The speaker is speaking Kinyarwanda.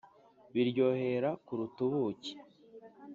Biryohera kuruta ubuki